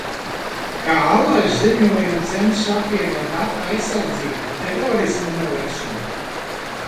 Kā allaž, ziņojumi cenšas apvienot datu aizsardzību ar terorisma novēršanu.